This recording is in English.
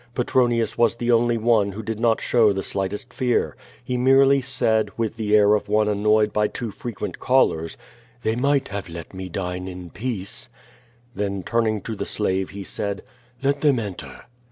Petronius was the only one who did not show the slightest fear. He merely said, with the air of one annoyed by too fre quent callers: "They might have let me dine in peace.'' Then turning to the slave he said: "Let them enter."